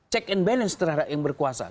check and balance terhadap yang berkuasa